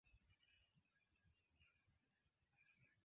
Manĝinte mian manĝon, mi foriris kun mia pafilo.